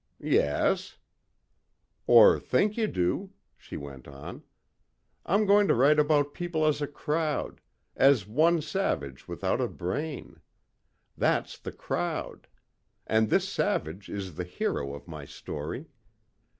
"Yes." "Or think you do," she went on. "I'm going to write about people as a crowd as one savage without a brain. That's the crowd. And this savage is the hero of my story.